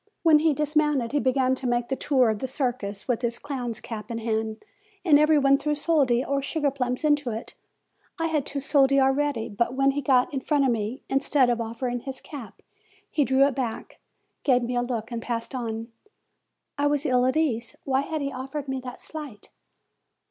When he dismounted, he began to make the tour of the circus, with his clown's cap in hand, and every body threw soldi or sugar plums into it. I had two soldi ready; but when he got in front of me, instead of offering his cap, he drew it back, gave me a look and passed on. I was ill at ease. Why had he offered me that slight?